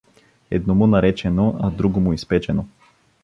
Едному наречено, а другому изпечено.